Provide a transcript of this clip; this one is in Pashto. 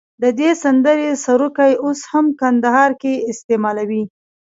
د دې سندرې سروکي اوس هم کندهار کې استعمالوي.